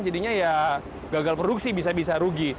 jadinya ya gagal produksi bisa bisa rugi